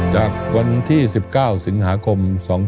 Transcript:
จากวันที่๑๙สิงหาคม๒๕๖๒